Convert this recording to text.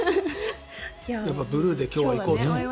やっぱブルーで今日は行こうと思って。